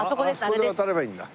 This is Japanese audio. あそこで渡ればいいんだ。